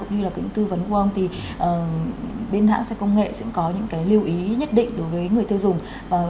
dạ xin cảm ơn ạ